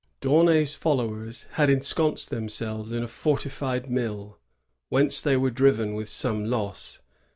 D'Aunay's followers had ensconced themselves in a fortified mill, whence they were driven with some loss.